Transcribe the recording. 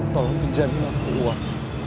tolong dijanjikan uang